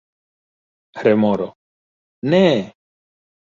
Remoro: "Ne!"